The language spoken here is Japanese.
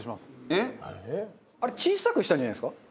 えっ？小さくしたんじゃないですか？